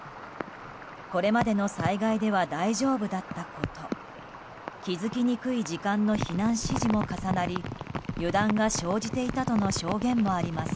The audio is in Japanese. これまでの災害では大丈夫だったこと気付きにくい時間の避難指示も重なり油断が生じていたとの証言もあります。